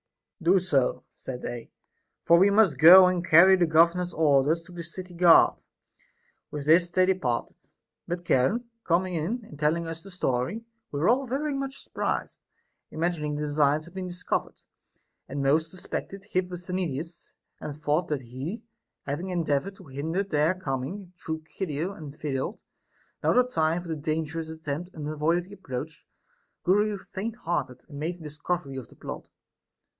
Do so, said they, for we must go and carry the governor's orders to the city guard. With this they departed, but Charon coming in and telling us the story, we were all very much surprised, imagining the design had been discovered ; and most suspected Hipposthenides, and thought that he, having endeavored to hinder their coming through Chido and failed, now the time for the dangerous attempt unavoidably approached, grew faint hearted and made a discovery of the plot.